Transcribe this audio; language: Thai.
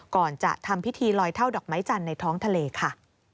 ก่อนจะทำพิธีลอยเท่าดอกไม้จันทร์ในท้องทะเลค่ะ